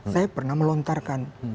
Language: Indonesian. saya pernah melontarkan